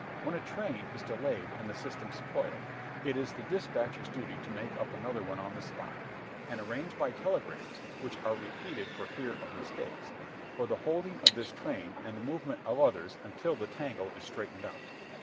When a train is delayed and the system spoiled, it is the despatcher's duty to make up another one on the spot, and arrange by telegrams, which are repeated for fear of mistakes, for the holding of this train and the movement of others until the tangle is straightened out.